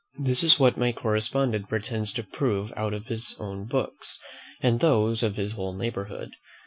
This is what my correspondent pretends to prove out of his own books, and those of his whole neighbourhood.